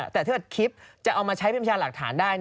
แต่ถ้าคลิปจะเอามาใช้พิมพ์ชาญหลักฐานได้